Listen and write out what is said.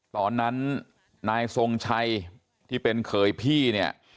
ตอนนั้นนายทรงชัยที่เป็นเขยพี่เนี่ย